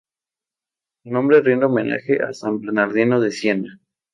Su nombre rinde homenaje a San Bernardino de Siena.